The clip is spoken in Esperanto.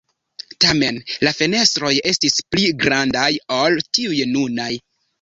Tamen la fenestroj estis pli grandaj ol tiuj nunaj.